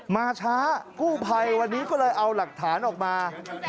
มาช้ากู้ภัยวันนี้ก็เลยเอาหลักฐานออกมา